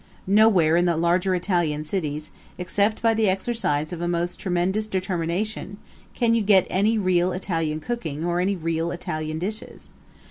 Nowhere in the larger Italian cities, except by the exercise of a most tremendous determination, can you get any real Italian cooking or any real Italian dishes.